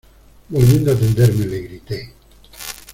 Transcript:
volviendo a tenderme le grité: